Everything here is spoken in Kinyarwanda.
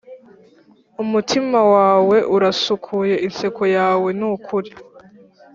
umutima wawe urasukuye, inseko yawe nukuri.